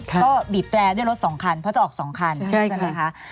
ก็บีบแตรด้วยรถ๒คันเพราะจะออก๒คันใช่ไหมคะ